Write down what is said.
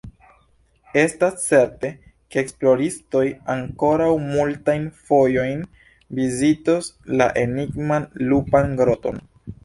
Estas certe, ke esploristoj ankoraŭ multajn fojojn vizitos la enigman Lupan Groton.